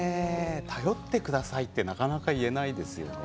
頼ってくださいってなかなか言えないですよね。